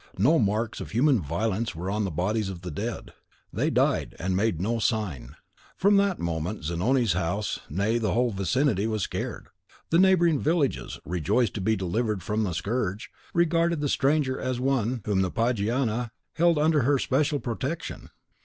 No marks of human violence were on the bodies of the dead. They died, and made no sign. From that moment Zanoni's house nay, the whole vicinity was sacred. The neighbouring villages, rejoiced to be delivered from a scourge, regarded the stranger as one whom the Pagiana (or Virgin) held under her especial protection.